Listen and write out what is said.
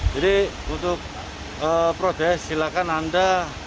jadi untuk protes silakan anda